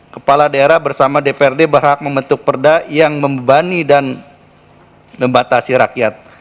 kepala daerah bersama dprd berhak membentuk perda yang membebani dan membatasi rakyat